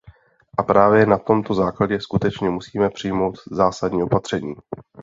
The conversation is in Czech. A právě na tomto základě skutečně musíme přijmout zásadní opatření.